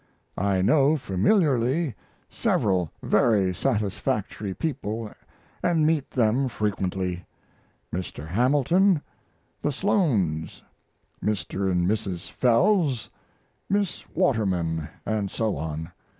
I know familiarly several very satisfactory people & meet them frequently: Mr. Hamilton, the Sloanes, Mr. & Mrs. Fells, Miss Waterman, & so on.